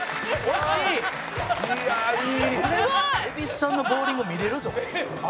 「蛭子さんのボウリング見れるぞ」